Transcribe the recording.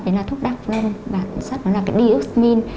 đấy là thuốc đặc phương và chất nó là cái d xmin